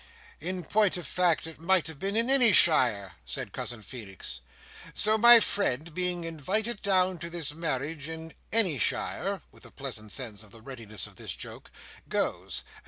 In point of fact it might have been in any shire," said Cousin Feenix. "So my friend being invited down to this marriage in Anyshire," with a pleasant sense of the readiness of this joke, "goes.